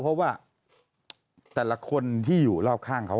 แต่ได้ยินจากคนอื่นแต่ได้ยินจากคนอื่น